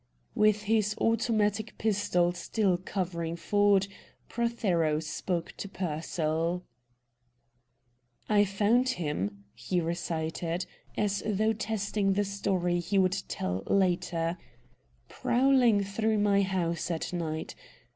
With his automatic pistol still covering Ford, Prothero spoke to Pearsall. "I found him," he recited, as though testing the story he would tell later, "prowling through my house at night.